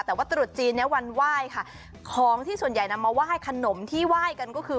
แต่ว่าตรุษจีนนี้วันว่ายค่ะของที่ส่วนใหญ่มาว่ายขนมที่ว่ายกันก็คือ